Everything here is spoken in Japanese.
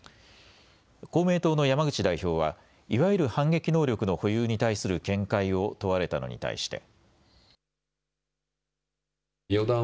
公明党の山口代表はいわゆる反撃能力の保有に対する見解を問われたのに対して。